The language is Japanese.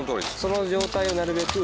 その状態でなるべく。